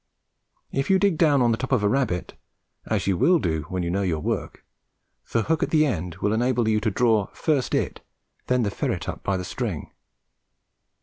If you dig down on the top of a rabbit as you will do when you know your work the hook at the end will enable you to draw first it and then the ferret up by the string.